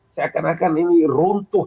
seakan akan ini runtuh